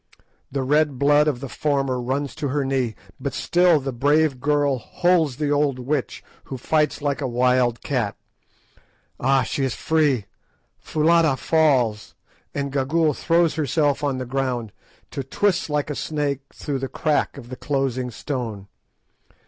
The red blood of the former runs to her knee, but still the brave girl holds the old witch, who fights like a wild cat. Ah! she is free! Foulata falls, and Gagool throws herself on the ground, to twist like a snake through the crack of the closing stone.